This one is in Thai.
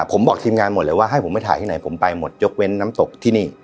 ผมบอกทีมงานหมดเลยว่าให้ผมไปถ่ายที่ไหนผมไปหมดยกเว้นน้ำตกที่นี่